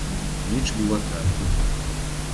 Ніч була темна.